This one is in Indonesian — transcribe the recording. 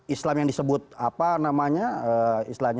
islam yang disebut apa namanya istilahnya